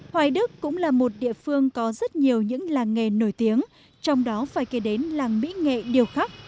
hoài đức cũng là một địa phương có rất nhiều những làng nghề nổi tiếng trong đó phải kể đến làng mỹ nghệ điều khắc